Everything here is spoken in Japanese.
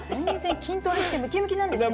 筋トレしてムキムキなんですけどね。